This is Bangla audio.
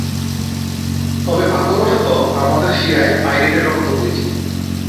তবে ভাগ্যবশত, আমাদের শিরায় পাইরেটের রক্ত বইছে।